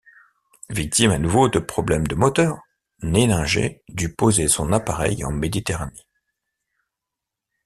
Victime à nouveau de problèmes de moteur, Neininger dut poser son appareil en Méditerranée.